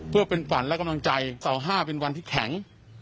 เพื่อเป็นขวัญและกำลังใจเสาห้าเป็นวันที่แข็ง